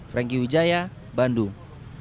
franky wijaya bandung